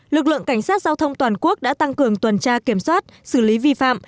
lực lượng cảnh sát giao thông toàn quốc đã tăng cường tuần tra kiểm soát xử lý vi phạm